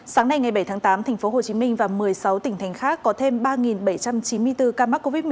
sáng nay ngày bảy tháng tám tp hcm và một mươi sáu tỉnh thành khác có thêm ba bảy trăm chín mươi bốn ca mắc covid một mươi chín